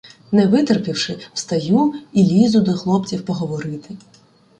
Не витерпівши, встаю і лізу до хлопців поговорити.